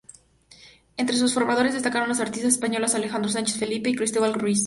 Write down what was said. Entre sus formadores destacaron los artistas españoles Alejandro Sánchez Felipe y Cristóbal Ruiz.